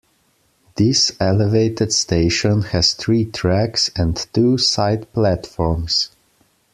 This elevated station has three tracks and two side platforms.